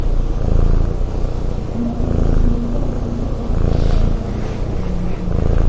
moon ametoa wito huo kwa mataifa yanayo jiweza ulimwenguni